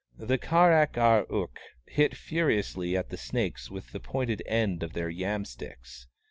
The Kar ak ar ook hit furiously at the snakes with the pointed end of their yam sticks.